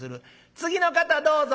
「次の方どうぞ。